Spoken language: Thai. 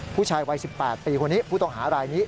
ผู้ชายวัย๑๘ปีคนนี้ผู้ต้องหารายนี้